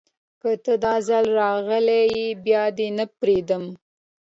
که ته، داځل راغلي بیا دې نه پریږدم